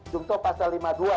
jungto pasal lima puluh dua